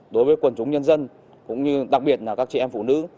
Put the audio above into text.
đối với quần chúng nhân dân cũng như đặc biệt là các chị em phụ nữ